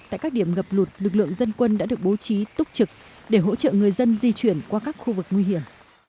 tại các điểm ngập lụt lực lượng dân quân đã được bố trí túc trực để hỗ trợ người dân di chuyển qua các khu vực nguy hiểm